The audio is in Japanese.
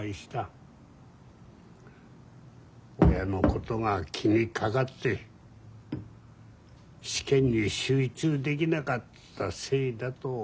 親のことが気にかかって試験に集中できなかったせいだと思うよ。